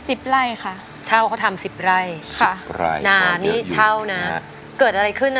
สิบไร่ค่ะเช่าเขาทำสิบไร่ค่ะไร่นานี่เช่านะเกิดอะไรขึ้นน่ะ